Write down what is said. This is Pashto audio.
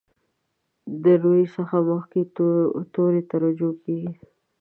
د روي څخه مخکې توري ته رجوع کیږي.